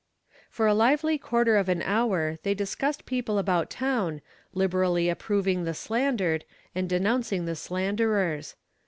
For a lively quarter of an hour they discussed people about town, liberally approving the slandered and denouncing the slanderers.